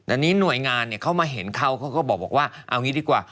อันนี้หน่วยงานเขามาเห็นเขาเขาก็บอกว่าเอางี้ดีกว่า